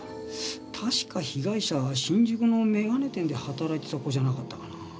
確か被害者は新宿の眼鏡店で働いてた子じゃなかったかな。